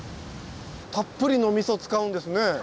たっぷりのみそ使うんですね。